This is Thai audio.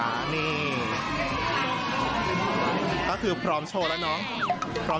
สวัสดีครับมาเจอกับแฟแล้วนะครับ